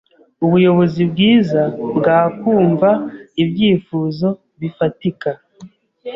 Ubuyobozi bwiza bwakumva ibyifuzo bifatika.